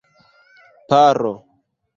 paro